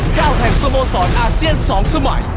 แห่งสโมสรอาเซียน๒สมัย